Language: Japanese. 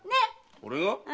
俺が？